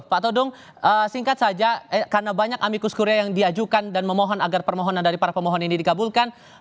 pak todung singkat saja karena banyak amikus kuria yang diajukan dan memohon agar permohonan dari para pemohon ini dikabulkan